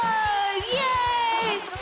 イエイ！